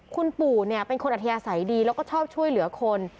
คุณปู่เนี่ยเป็นคนอธิษฐ์ใสดีแล้วก็ชอบช่วยเหลือคน